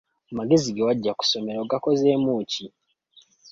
Amagezi ge waggya ku ssomero ogakozeemu ki?